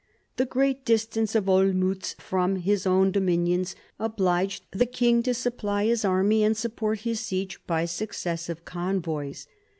The great distance of Olmutz from his own dominions obliged the king to supply his army and support his siege by successive convoys.